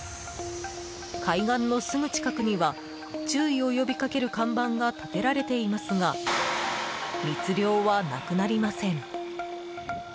海岸のすぐ近くには注意を呼びかける看板が立てられていますが密漁はなくなりません。